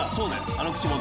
あの口元。